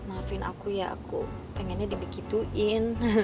maafin aku ya aku pengennya dibegituin